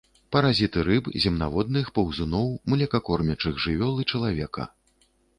Паразіты рыб, земнаводных, паўзуноў, млекакормячых жывёл і чалавека.